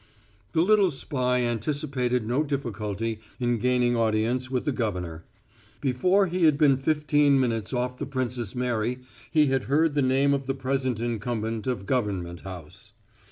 The little spy anticipated no difficulty in gaining audience with the governor. Before he had been fifteen minutes off the Princess Mary he had heard the name of the present incumbent of Government House.